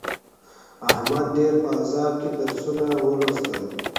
احمد ډېر په عذاب کې درسونه ولوستل.